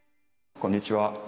こんにちは！